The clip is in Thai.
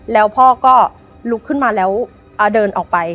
แล้วพ่อก็ลุกขึ้นมาแล้วเดินออกไป